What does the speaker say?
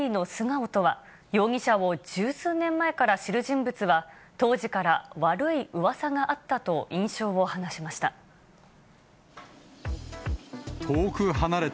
容疑者を十数年前から知る人物は、当時から悪いうわさがあったと、印象を話しました。